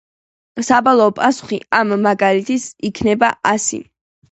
საბოლოო პასუხი ამ მაგალითის იქნება ასი.